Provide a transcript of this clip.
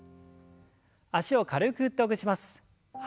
脚を軽く振ってほぐします。